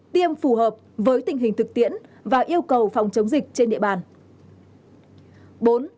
tiêm phù hợp với tình hình thực tiễn và yêu cầu phòng chống dịch trên địa bàn